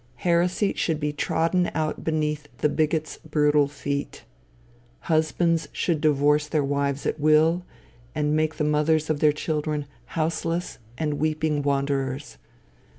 Heresy should be trodden out beneath the bigot's brutal feet. Husbands should divorce their wives at will, and make the mothers of their children houseless and weeping wanderers.